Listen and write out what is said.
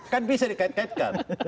kan bisa dikait kaitkan